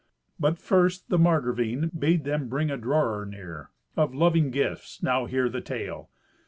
But first the Margravine bade them bring a drawer near. Of loving gifts now hear the tale.